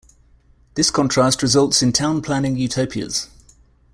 This contrast results in town-planning utopias.